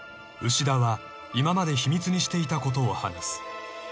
［牛田は今まで秘密にしていたことを話す］